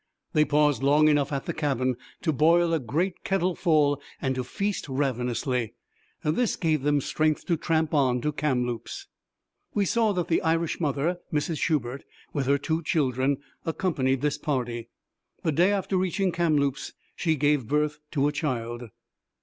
They paused long enough at the cabin to boil a great kettleful and to feast ravenously. This gave them strength to tramp on to Kamloops. We saw that the Irish mother, Mrs Shubert, with her two children, accompanied this party. The day after reaching Kamloops she gave birth to a child.